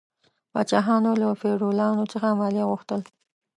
پاچاهانو له فیوډالانو څخه مالیه غوښتل.